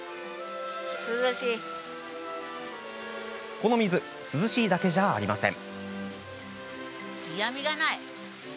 この水涼しいだけじゃありません。